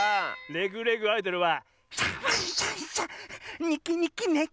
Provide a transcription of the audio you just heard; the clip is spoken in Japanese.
「レグ・レグ・アイドル」は。